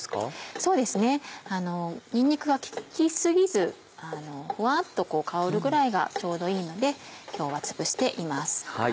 そうですねにんにくが効き過ぎずふわっと香るぐらいがちょうどいいので今日はつぶしています。